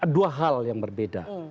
dua hal yang berbeda